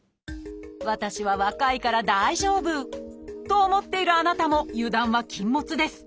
私は若いから大丈夫！と思っているあなたも油断は禁物です。